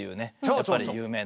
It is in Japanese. やっぱり有名な。